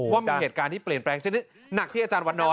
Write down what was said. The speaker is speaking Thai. ว่ามีเหตุการณ์ที่เปลี่ยนแปลงชนิดหนักที่อาจารย์วันน้อย